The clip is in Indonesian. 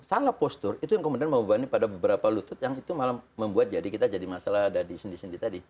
salah postur itu yang kemudian memubahnya pada beberapa lutut yang itu malah membuat jadi kita jadi masalah dari sini sini tadi